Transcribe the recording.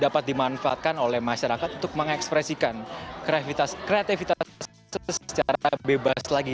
dan juga dimana dapat dimanfaatkan oleh masyarakat untuk mengekspresikan kreativitas secara bebas lagi